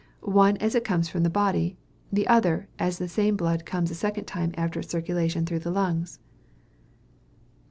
one as it comes from the body; the other, as the same blood comes a second time after its circulation through the lungs."